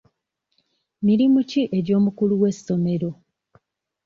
Mirimu ki egy'omukulu w'essomero?